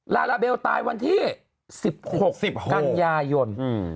ลาลาเบลตายวันที่๑๖๑๖กันยายน